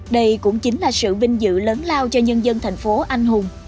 đây cũng chính là sự vinh dự lớn lao cho nhân dân thành phố anh hùng